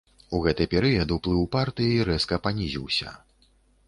У гэты перыяд уплыў партыі рэзка панізіўся.